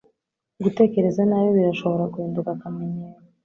Gutekereza nabi birashobora guhinduka akamenyero